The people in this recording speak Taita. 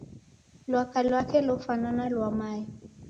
Lwaka lwake lofwanana na lwa mae.